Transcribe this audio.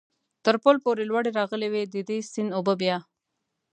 تر پل پورې لوړې راغلې وې، د دې سیند اوبه بیا.